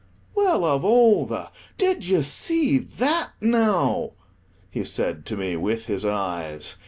"Well, of all the— Did ye see that now?" he said to me with his eyes.